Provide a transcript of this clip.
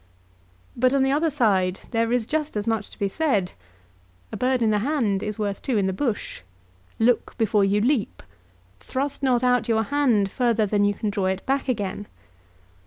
But on the other side there is just as much to be said. "A bird in the hand is worth two in the bush." "Look before you leap." "Thrust not out your hand further than you can draw it back again."